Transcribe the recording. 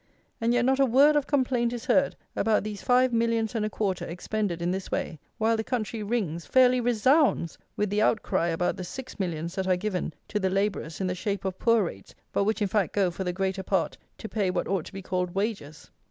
And yet, not a word of complaint is heard about these five millions and a quarter, expended in this way, while the country rings, fairly resounds, with the outcry about the six millions that are given to the labourers in the shape of poor rates, but which, in fact, go, for the greater part, to pay what ought to be called wages.